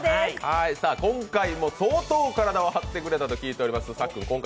今回も相当体を張ってくれたと聞いております。